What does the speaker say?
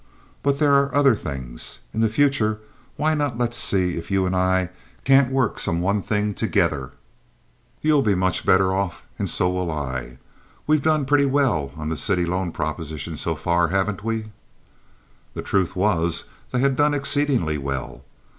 But there are other things. In the future why not let's see if you and I can't work some one thing together? You'll be much better off, and so will I. We've done pretty well on the city loan proposition so far, haven't we?" The truth was, they had done exceedingly well.